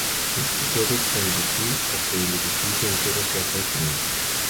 Esto puede conducir a que el edificio entero sea consumido.